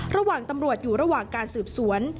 ระหว่างตำรวจอยู่ระหว่างการสืบสวน